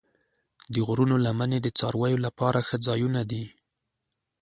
د غرونو لمنې د څارویو لپاره ښه ځایونه دي.